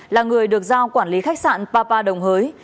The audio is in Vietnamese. là người được giao quản lý khách sạn papa đồng hới